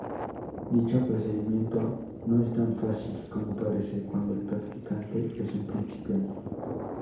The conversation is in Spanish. Dicho procedimiento no es tan fácil como parece cuando el practicante es un principiante.